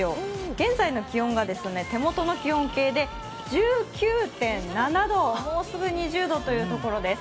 現在の気温が手元の気温計で１９．７度、もうすぐ２０度というところです。